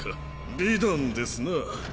美談ですなぁ。